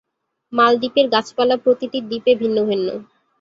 মালদ্বীপের গাছপালা প্রতিটি দ্বীপে ভিন্ন ভিন্ন।